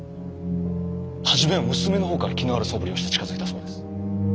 初めは娘の方から気のあるそぶりをして近づいたそうです。